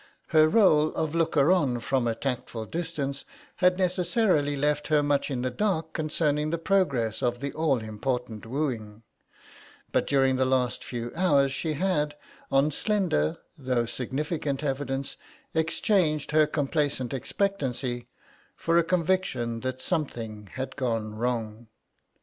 Her rôle of looker on from a tactful distance had necessarily left her much in the dark concerning the progress of the all important wooing, but during the last few hours she had, on slender though significant evidence, exchanged her complacent expectancy for a conviction that something had gone wrong.